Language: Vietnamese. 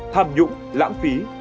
tham nhũng lãng phí